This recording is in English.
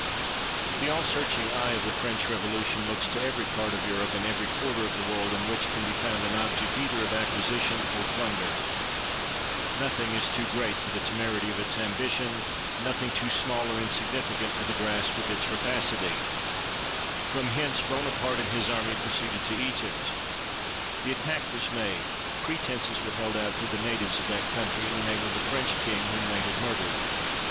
The all searching eye of the French Revolu tion looks to every part of Europe and every quarter of the world in which can be found an object either of acquisition or plunder. Nothing is too great for the temerity of its ambition, nothing too small or insignificant for the grasp of its rapacity. From hence Bona parte and his army proceeded to Egj'pt. The attack was made ; pretenses were held out to the natives of that country in the name of the French king whom they had murdered.